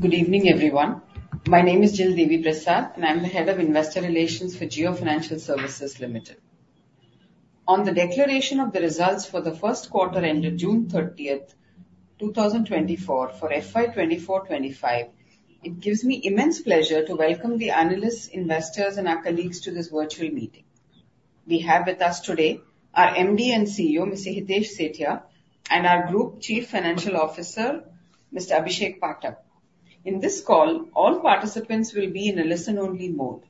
Good evening, everyone. My name is Jill Deviprasad, and I'm the head of investor relations for Jio Financial Services Limited. On the declaration of the results for the first quarter, ended June 30th, 2024, for FY 2024-2025, it gives me immense pleasure to welcome the analysts, investors, and our colleagues to this virtual meeting. We have with us today our MD and CEO, Mr. Hitesh Sethia, and our Group Chief Financial Officer, Mr. Abhishek Pathak. In this call, all participants will be in a listen-only mode.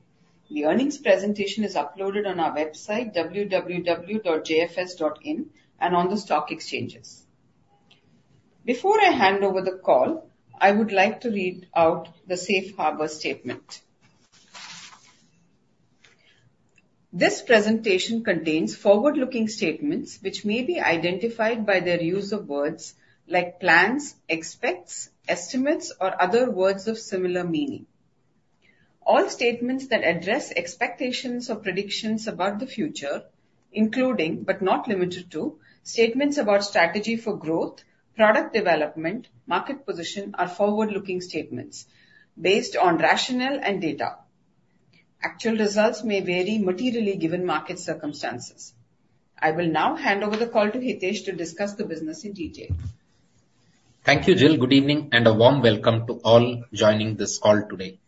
The earnings presentation is uploaded on our website, www.jfs.in, and on the stock exchanges. Before I hand over the call, I would like to read out the safe harbor statement. This presentation contains forward-looking statements, which may be identified by their use of words like plans, expects, estimates, or other words of similar meaning. All statements that address expectations or predictions about the future, including, but not limited to, statements about strategy for growth, product development, market position, are forward-looking statements based on rationale and data. Actual results may vary materially given market circumstances. I will now hand over the call to Hitesh to discuss the business in detail. Thank you, Jill. Good evening, and a warm welcome to all joining this call today.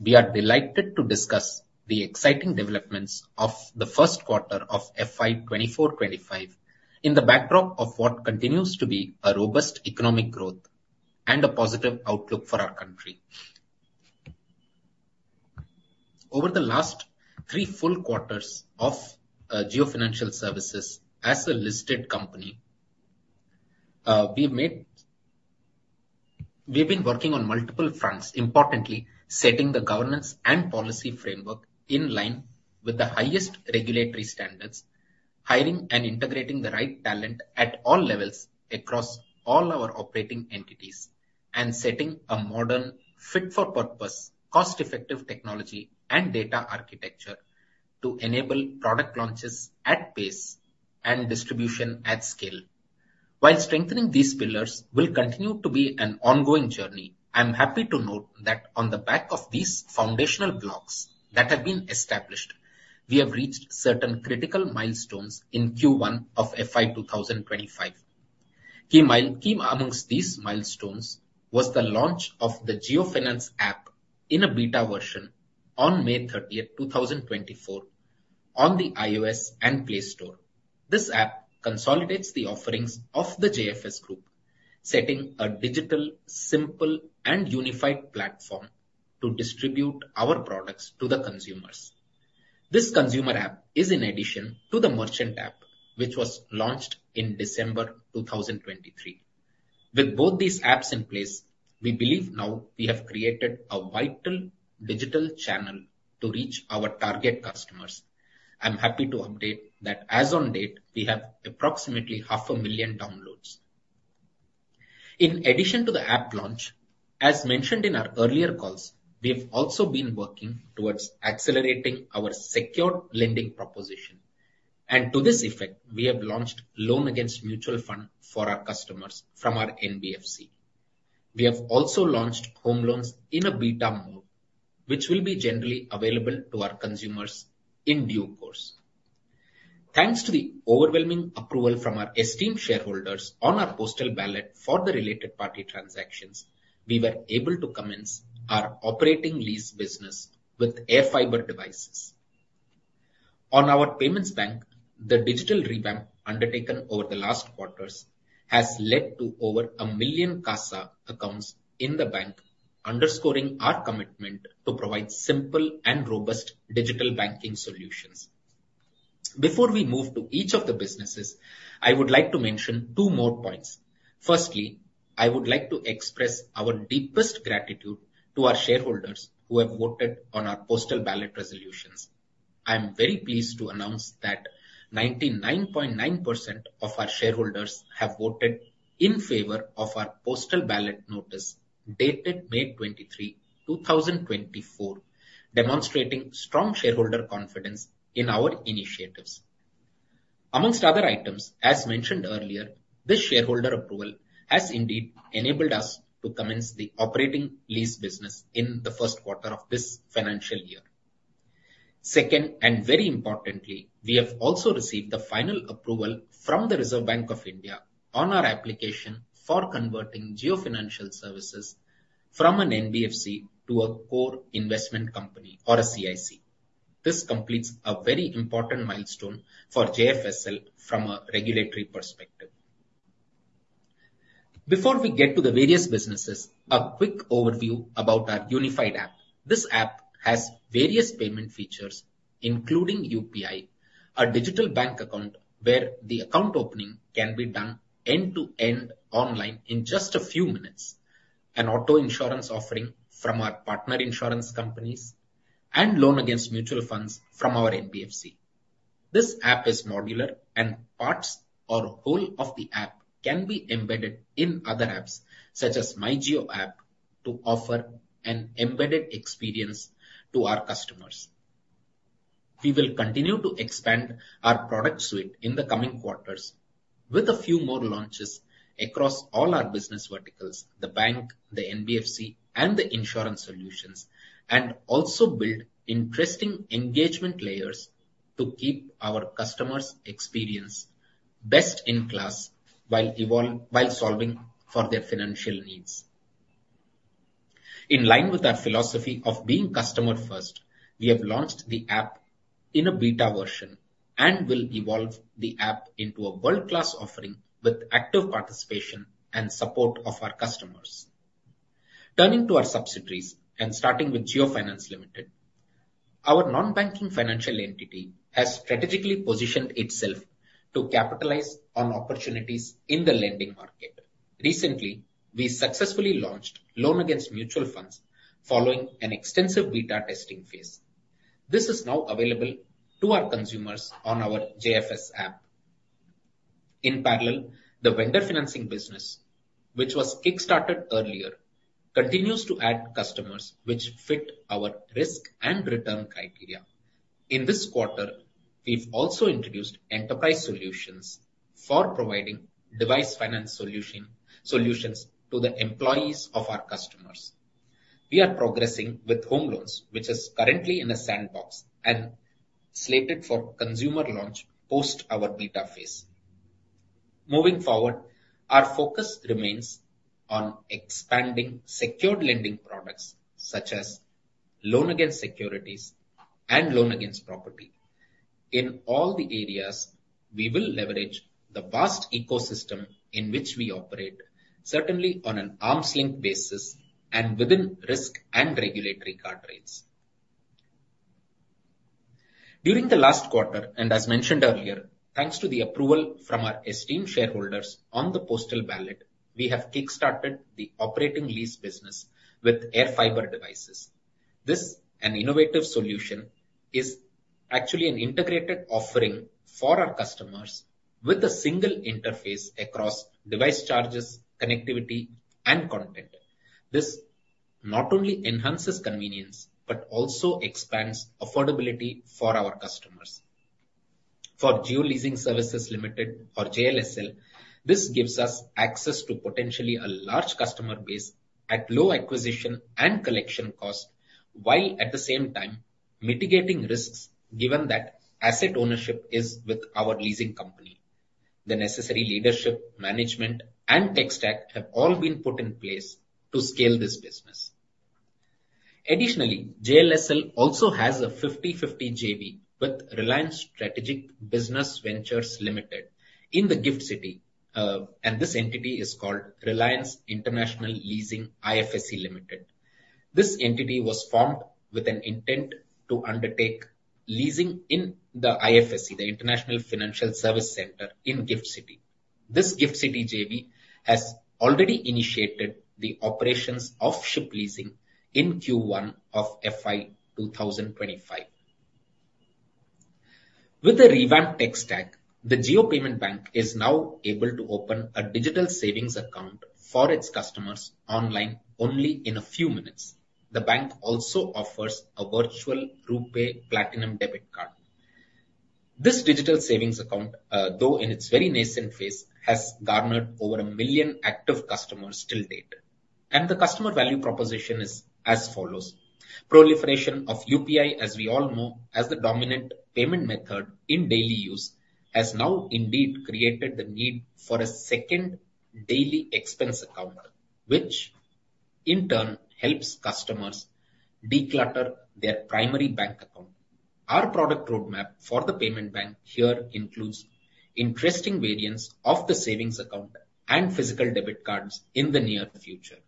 We are delighted to discuss the exciting developments of the first quarter of FY 2024-2025, in the backdrop of what continues to be a robust economic growth and a positive outlook for our country. Over the last three full quarters of Jio Financial Services as a listed company, we've been working on multiple fronts, importantly, setting the governance and policy framework in line with the highest regulatory standards, hiring and integrating the right talent at all levels across all our operating entities, and setting a modern, fit-for-purpose, cost-effective technology and data architecture to enable product launches at pace and distribution at scale. While strengthening these pillars will continue to be an ongoing journey, I'm happy to note that on the back of these foundational blocks that have been established, we have reached certain critical milestones in Q1 of FY 2025. Key amongst these milestones was the launch of the JioFinance app in a beta version on May 30th, 2024, on the iOS and Play Store. This app consolidates the offerings of the JFS group, setting a digital, simple, and unified platform to distribute our products to the consumers. This consumer app is in addition to the merchant app, which was launched in December 2023. With both these apps in place, we believe now we have created a vital digital channel to reach our target customers. I'm happy to update that as on date, we have approximately 500,000 downloads. In addition to the app launch, as mentioned in our earlier calls, we've also been working towards accelerating our secure lending proposition, and to this effect, we have launched Loan Against Mutual Fund for our customers from our NBFC. We have also launched home loans in a beta mode, which will be generally available to our consumers in due course. Thanks to the overwhelming approval from our esteemed shareholders on our postal ballot for the related party transactions, we were able to commence our operating lease business with AirFiber devices. On our payments bank, the digital revamp undertaken over the last quarters, has led to over 1 million CASA accounts in the bank, underscoring our commitment to provide simple and robust digital banking solutions. Before we move to each of the businesses, I would like to mention two more points. Firstly, I would like to express our deepest gratitude to our shareholders who have voted on our postal ballot resolutions. I am very pleased to announce that 99.9% of our shareholders have voted in favor of our postal ballot notice, dated May 23, 2024, demonstrating strong shareholder confidence in our initiatives. Among other items, as mentioned earlier, this shareholder approval has indeed enabled us to commence the operating lease business in the first quarter of this financial year. Second, and very importantly, we have also received the final approval from the Reserve Bank of India on our application for converting Jio Financial Services from an NBFC to a Core Investment Company or a CIC. This completes a very important milestone for JFSL from a regulatory perspective. Before we get to the various businesses, a quick overview about our unified app. This app has various payment features, including UPI, a digital bank account, where the account opening can be done end-to-end online in just a few minutes, an auto insurance offering from our partner insurance companies, and Loan Against Mutual Funds from our NBFC. This app is modular, and parts or whole of the app can be embedded in other apps, such as MyJio app, to offer an embedded experience to our customers. We will continue to expand our product suite in the coming quarters with a few more launches across all our business verticals, the bank, the NBFC, and the insurance solutions, and also build interesting engagement layers to keep our customers' experience best in class while evolving while solving for their financial needs. In line with our philosophy of being customer-first, we have launched the app in a beta version and will evolve the app into a world-class offering with active participation and support of our customers. Turning to our subsidiaries, and starting with Jio Finance Limited, our non-banking financial entity has strategically positioned itself to capitalize on opportunities in the lending market. Recently, we successfully launched Loan Against Mutual Funds, following an extensive beta testing phase. This is now available to our consumers on our JFS app. In parallel, the vendor financing business, which was kickstarted earlier, continues to add customers which fit our risk and return criteria. In this quarter, we've also introduced enterprise solutions for providing device finance solution, solutions to the employees of our customers. We are progressing with home loans, which is currently in a sandbox and slated for consumer launch post our beta phase. Moving forward, our focus remains on expanding secured lending products, such as loan against securities and loan against property. In all the areas, we will leverage the vast ecosystem in which we operate, certainly on an arm's length basis and within risk and regulatory guardrails. During the last quarter, and as mentioned earlier, thanks to the approval from our esteemed shareholders on the postal ballot, we have kickstarted the operating lease business with AirFiber devices. This, an innovative solution, is actually an integrated offering for our customers with a single interface across device charges, connectivity, and content. This not only enhances convenience, but also expands affordability for our customers. For Jio Leasing Services Limited, or JLSL, this gives us access to potentially a large customer base at low acquisition and collection cost, while at the same time mitigating risks, given that asset ownership is with our leasing company. The necessary leadership, management, and tech stack have all been put in place to scale this business. Additionally, JLSL also has a 50/50 JV with Reliance Strategic Business Ventures Limited in the GIFT City, and this entity is called Reliance International Leasing IFSC Limited. This entity was formed with an intent to undertake leasing in the IFSC, the International Financial Service Center in GIFT City. This GIFT City JV has already initiated the operations of ship leasing in Q1 of FY 2025. With the revamped tech stack, the Jio Payments Bank is now able to open a digital savings account for its customers online only in a few minutes. The bank also offers a virtual RuPay Platinum debit card. This digital savings account, though in its very nascent phase, has garnered over a million active customers till date, and the customer value proposition is as follows: Proliferation of UPI, as we all know, as the dominant payment method in daily use, has now indeed created the need for a second daily expense account, which in turn helps customers declutter their primary bank account. Our product roadmap for the payment bank here includes interesting variants of the savings account and physical debit cards in the near future.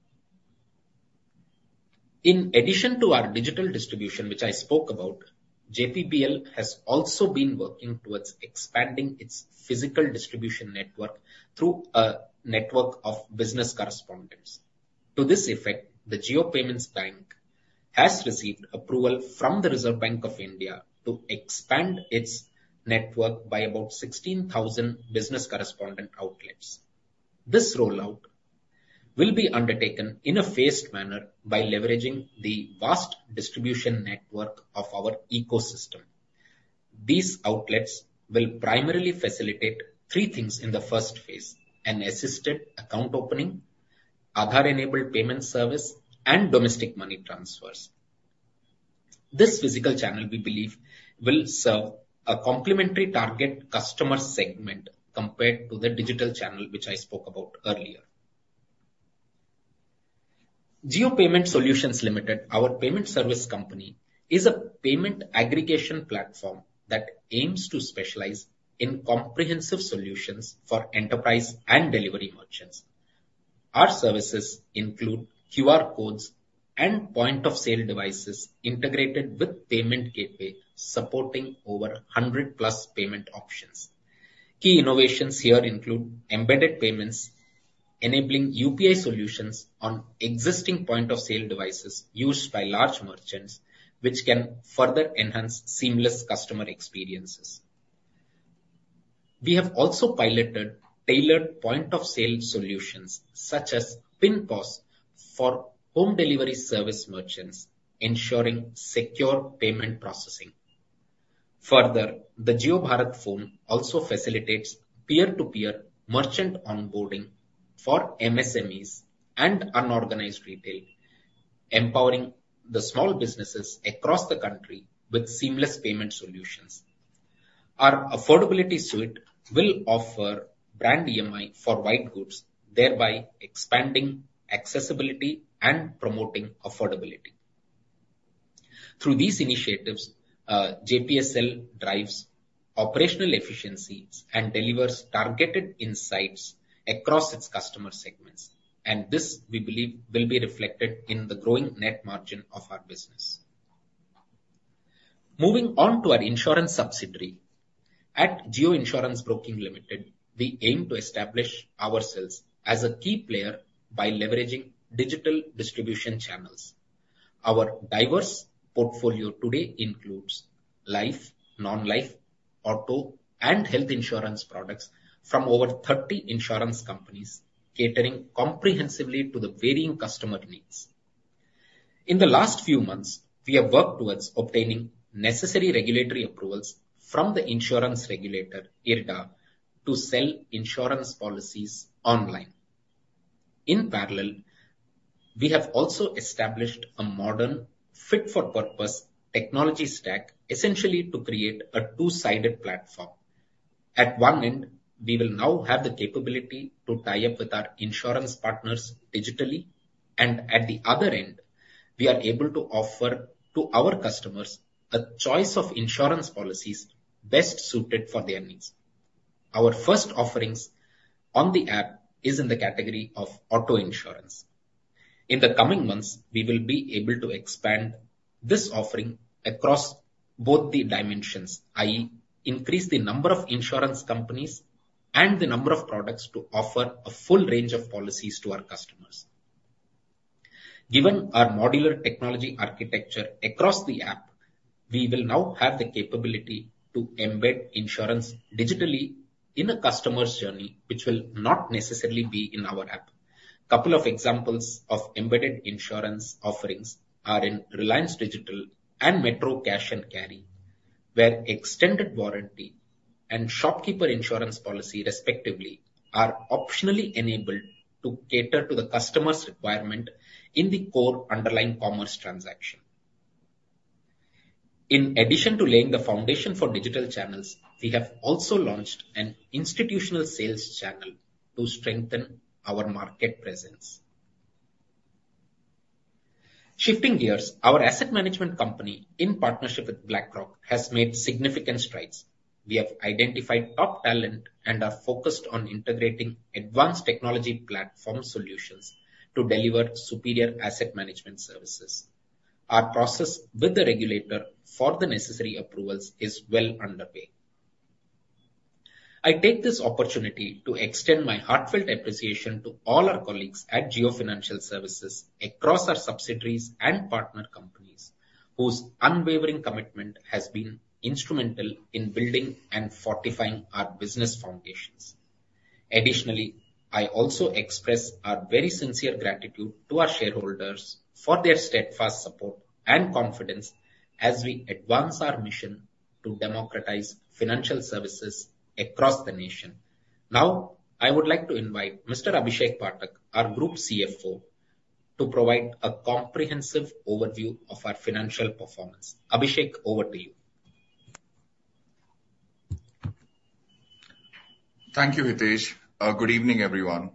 In addition to our digital distribution, which I spoke about, JPBL has also been working towards expanding its physical distribution network through a network of business correspondents. To this effect, the Jio Payments Bank has received approval from the Reserve Bank of India to expand its network by about 16,000 business correspondent outlets. This rollout will be undertaken in a phased manner by leveraging the vast distribution network of our ecosystem. These outlets will primarily facilitate three things in the first phase: an assisted account opening, Aadhaar-enabled payment service, and domestic money transfers. This physical channel, we believe, will serve a complementary target customer segment compared to the digital channel, which I spoke about earlier. Jio Payment Solutions Limited, our payment service company, is a payment aggregation platform that aims to specialize in comprehensive solutions for enterprise and delivery merchants. Our services include QR codes and point-of-sale devices integrated with payment gateway, supporting over 100+ payment options. Key innovations here include embedded payments, enabling UPI solutions on existing point-of-sale devices used by large merchants, which can further enhance seamless customer experiences. We have also piloted tailored point-of-sale solutions, such as Pin POS, for home delivery service merchants, ensuring secure payment processing. Further, the Jio Bharat phone also facilitates peer-to-peer merchant onboarding for MSMEs and unorganized retail, empowering the small businesses across the country with seamless payment solutions. Our affordability suite will offer brand EMI for white goods, thereby expanding accessibility and promoting affordability. Through these initiatives, JPSL drives operational efficiencies and delivers targeted insights across its customer segments, and this, we believe, will be reflected in the growing net margin of our business. Moving on to our insurance subsidiary. At Jio Insurance Broking Limited, we aim to establish ourselves as a key player by leveraging digital distribution channels. Our diverse portfolio today includes life, non-life, auto, and health insurance products from over 30 insurance companies, catering comprehensively to the varying customer needs. In the last few months, we have worked towards obtaining necessary regulatory approvals from the insurance regulator, IRDA, to sell insurance policies online. In parallel, we have also established a modern, fit-for-purpose technology stack, essentially to create a two-sided platform. At one end, we will now have the capability to tie up with our insurance partners digitally, and at the other end, we are able to offer to our customers a choice of insurance policies best suited for their needs. Our first offerings on the app is in the category of auto insurance. In the coming months, we will be able to expand this offering across both the dimensions, i.e., increase the number of insurance companies and the number of products to offer a full range of policies to our customers. Given our modular technology architecture across the app, we will now have the capability to embed insurance digitally in a customer's journey, which will not necessarily be in our app. Couple of examples of embedded insurance offerings are in Reliance Digital and Metro Cash & Carry, where extended warranty and shopkeeper insurance policy, respectively, are optionally enabled to cater to the customer's requirement in the core underlying commerce transaction. In addition to laying the foundation for digital channels, we have also launched an institutional sales channel to strengthen our market presence. Shifting gears, our asset management company, in partnership with BlackRock, has made significant strides. We have identified top talent and are focused on integrating advanced technology platform solutions to deliver superior asset management services. Our process with the regulator for the necessary approvals is well underway. I take this opportunity to extend my heartfelt appreciation to all our colleagues at Jio Financial Services, across our subsidiaries and partner companies, whose unwavering commitment has been instrumental in building and fortifying our business foundations. Additionally, I also express our very sincere gratitude to our shareholders for their steadfast support and confidence as we advance our mission to democratize financial services across the nation. Now, I would like to invite Mr. Abhishek Pathak, our Group CFO, to provide a comprehensive overview of our financial performance. Abhishek, over to you. Thank you, Hitesh. Good evening, everyone.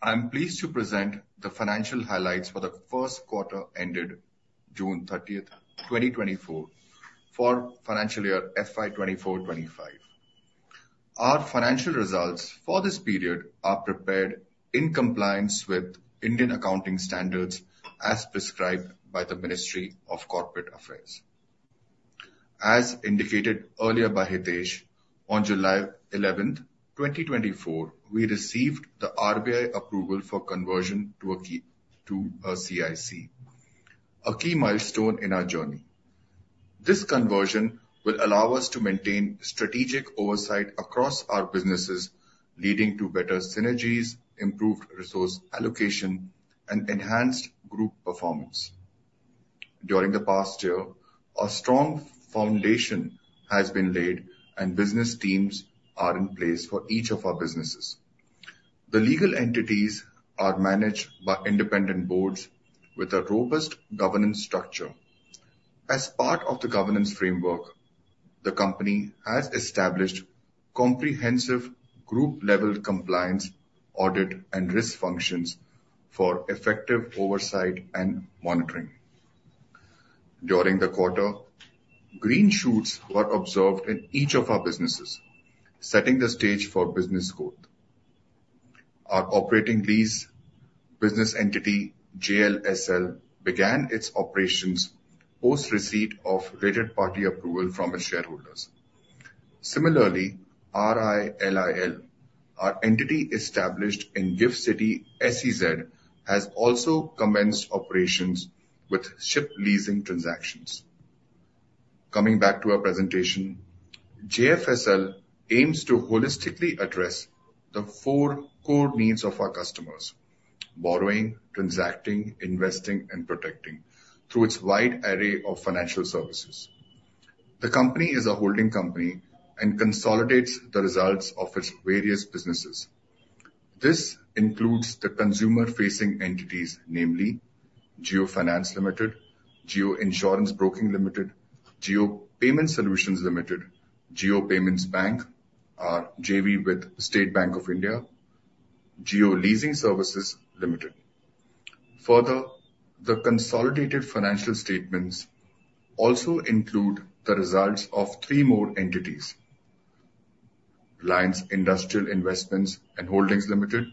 I'm pleased to present the financial highlights for the first quarter ended June 30th, 2024, for financial year FY 2024-2025. Our financial results for this period are prepared in compliance with Indian accounting standards, as prescribed by the Ministry of Corporate Affairs. As indicated earlier by Hitesh, on July 11th, 2024, we received the RBI approval for conversion to a CIC, a key milestone in our journey. This conversion will allow us to maintain strategic oversight across our businesses, leading to better synergies, improved resource allocation, and enhanced group performance. During the past year, a strong foundation has been laid, and business teams are in place for each of our businesses. The legal entities are managed by independent boards with a robust governance structure. As part of the governance framework, the company has established comprehensive group-level compliance, audit, and risk functions for effective oversight and monitoring. During the quarter, green shoots were observed in each of our businesses, setting the stage for business growth. Our operating lease business entity, JLSL, began its operations post receipt of related party approval from its shareholders. Similarly, RILIL, our entity established in GIFT City SEZ, has also commenced operations with ship leasing transactions. Coming back to our presentation, JFSL aims to holistically address the four core needs of our customers: borrowing, transacting, investing, and protecting, through its wide array of financial services. The company is a holding company and consolidates the results of its various businesses. This includes the consumer-facing entities, namely Jio Finance Limited, Jio Insurance Broking Limited, Jio Payment Solutions Limited, Jio Payments Bank, our JV with State Bank of India, Jio Leasing Services Limited. Further, the consolidated financial statements also include the results of three more entities: Reliance Industrial Investments and Holdings Limited,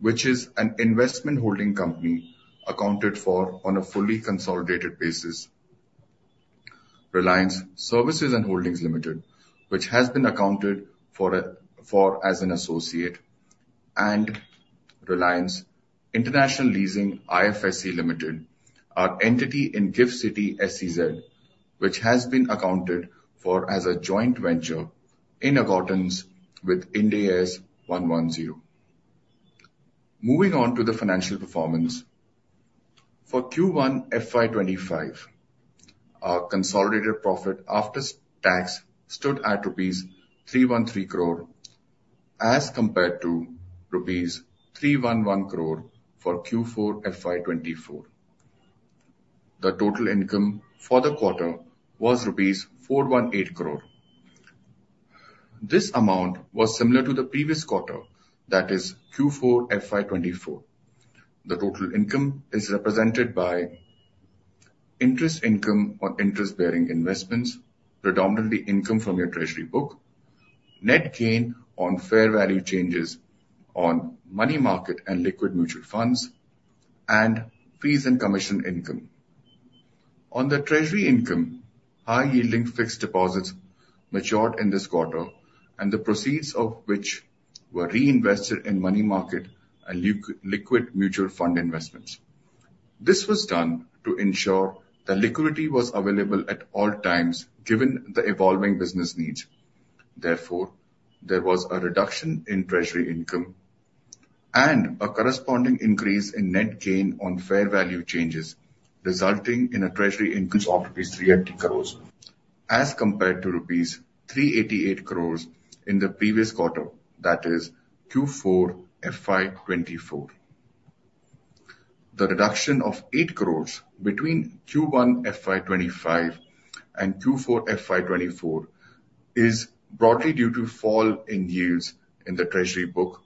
which is an investment holding company accounted for on a fully consolidated basis, Reliance Services and Holdings Limited, which has been accounted for as an associate, and Reliance International Leasing IFSC Limited, our entity in GIFT City SEZ, which has been accounted for as a joint venture in accordance with Ind AS 110. Moving on to the financial performance. For Q1 FY 2025, our consolidated profit after tax stood at rupees 313 crore, as compared to rupees 311 crore for Q4 FY 2024. The total income for the quarter was rupees 418 crore. This amount was similar to the previous quarter, that is Q4 FY 2024. The total income is represented by interest income on interest-bearing investments, predominantly income from your treasury book, net gain on fair value changes on money market and liquid mutual fund investments, and fees and commission income. On the treasury income, high-yielding fixed deposits matured in this quarter, and the proceeds of which were reinvested in money market and liquid mutual fund investments. This was done to ensure that liquidity was available at all times, given the evolving business needs. Therefore, there was a reduction in treasury income and a corresponding increase in net gain on fair value changes, resulting in a treasury increase of rupees 380 crore, as compared to rupees 388 crore in the previous quarter, that is Q4 FY 2024. The reduction of 8 crores between Q1 FY 2025 and Q4 FY 2024 is broadly due to fall in yields in the treasury book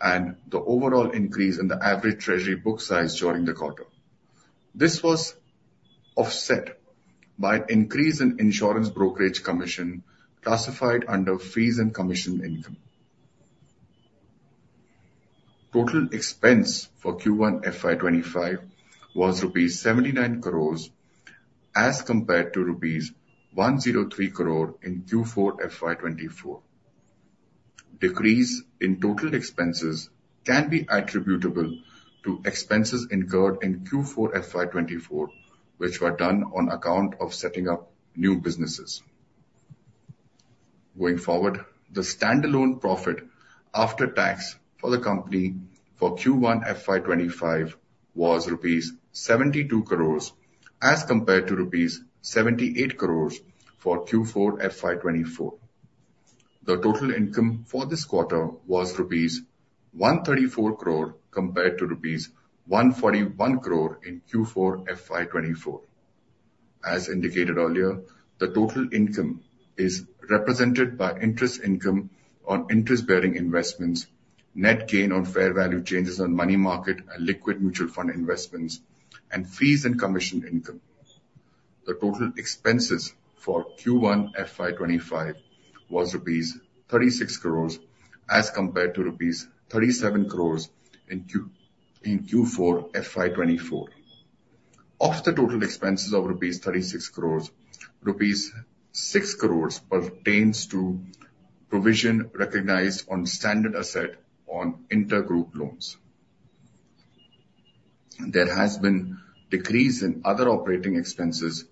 and the overall increase in the average treasury book size during the quarter. This was offset by an increase in insurance brokerage commission classified under fees and commission income. Total expense for Q1 FY 2025 was rupees 79 crores, as compared to rupees 103 crore in Q4 FY 2024. Decrease in total expenses can be attributable to expenses incurred in Q4 FY 2024, which were done on account of setting up new businesses. Going forward, the standalone profit after tax for the company for Q1 FY 2025 was rupees 72 crores as compared to rupees 78 crores for Q4 FY 2024. The total income for this quarter was rupees 134 crore, compared to rupees 141 crore in Q4 FY 2024. As indicated earlier, the total income is represented by interest income on interest-bearing investments, net gain on fair value changes on money market and liquid mutual fund investments, and fees and commission income. The total expenses for Q1 FY 2025 was rupees 36 crores as compared to rupees 37 crores in Q4 FY 2024. Of the total expenses of rupees 36 crores, rupees 6 crores pertains to provision recognized on standard asset on intergroup loans. There has been decrease in other operating expenses,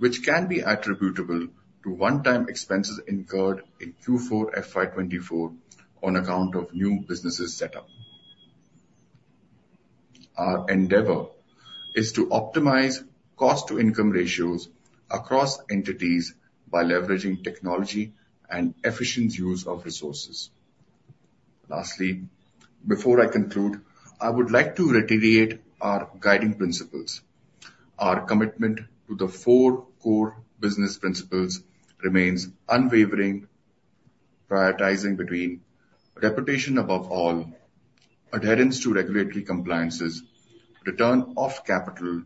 which can be attributable to one-time expenses incurred in Q4 FY 2024 on account of new businesses set up. Our endeavor is to optimize cost-to-income ratios across entities by leveraging technology and efficient use of resources. Lastly, before I conclude, I would like to reiterate our guiding principles. Our commitment to the four core business principles remains unwavering, prioritizing between reputation above all, adherence to regulatory compliances, return of capital,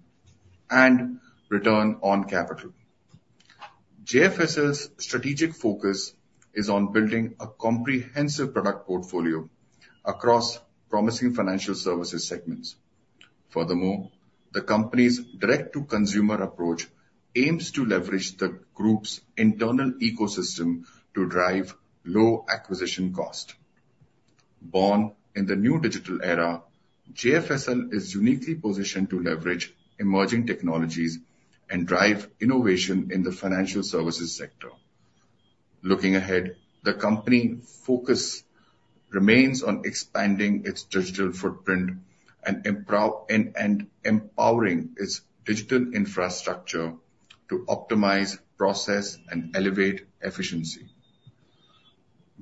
and return on capital. JFSL's strategic focus is on building a comprehensive product portfolio across promising financial services segments. Furthermore, the company's direct-to-consumer approach aims to leverage the group's internal ecosystem to drive low acquisition cost. Born in the new digital era, JFSL is uniquely positioned to leverage emerging technologies and drive innovation in the financial services sector. Looking ahead, the company focus remains on expanding its digital footprint and empowering its digital infrastructure to optimize process and elevate efficiency.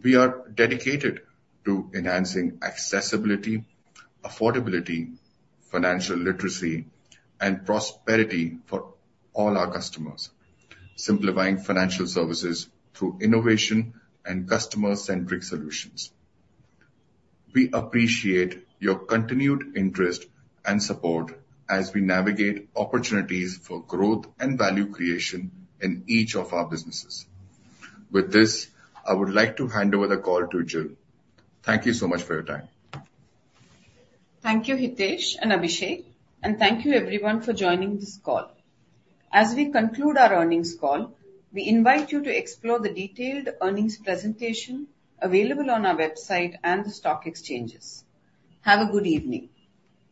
We are dedicated to enhancing accessibility, affordability, financial literacy, and prosperity for all our customers, simplifying financial services through innovation and customer-centric solutions. We appreciate your continued interest and support as we navigate opportunities for growth and value creation in each of our businesses. With this, I would like to hand over the call to Jill. Thank you so much for your time. Thank you, Hitesh and Abhishek, and thank you everyone for joining this call. As we conclude our earnings call, we invite you to explore the detailed earnings presentation available on our website and the stock exchanges. Have a good evening.